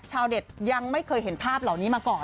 เด็ดยังไม่เคยเห็นภาพเหล่านี้มาก่อน